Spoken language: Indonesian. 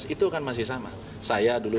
itu kan masih sama saya dulu